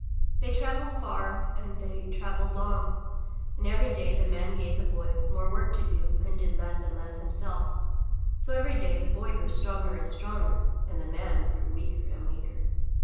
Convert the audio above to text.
They travelled far and they travelled long, and every day the man gave the Boy more work to do and did less and less him self, so every day the Boy grew stronger and stronger, and the Man grew weaker "and weaker.